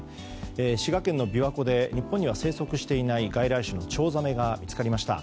滋賀県の琵琶湖で日本には生息していない外来種のチョウザメが見つかりました。